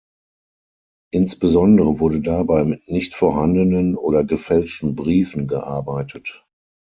Insbesondere wurde dabei mit nicht vorhandenen oder gefälschten Briefen gearbeitet.